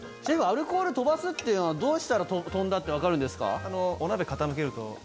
シェフアルコール飛ばすっていうのはどうしたら飛んだって分かるんですか？